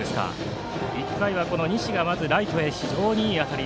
１回は、西がまずライトへ非常にいい当たり。